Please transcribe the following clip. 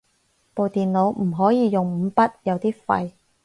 部電腦唔可以用五筆，有啲廢